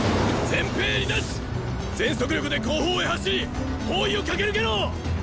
全速力で後方へ走り包囲を駆け抜けろ！！